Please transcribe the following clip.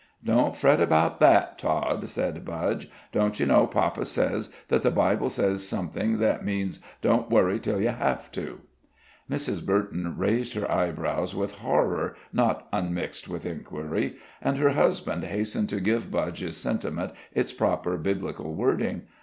"Don't fret about that, Tod," said Budge. "Don't you know papa says that the Bible says something that means 'don't worry till you have to.'" Mrs. Burton raised her eyebrows with horror not unmixed with inquiry, and her husband hastened to give Budge's sentiment its proper Biblical wording.